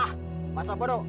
ah masa bodoh